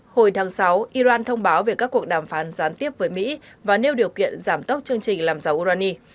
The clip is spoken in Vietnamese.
hồi tháng sáu iran thông báo về các cuộc đàm phán gián tiếp với mỹ và nêu điều kiện giảm tốc chương trình làm dầu urani